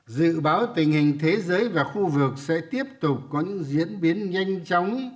dự báo tình hình thế giới và khu vực sẽ tiếp tục có những diễn biến nhanh chóng